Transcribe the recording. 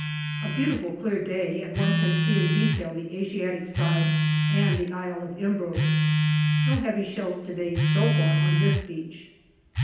A beautiful clear day, and one can see in detail the Asiatic side and the Isle of Imbros. No heavy shells to day so far on this beach.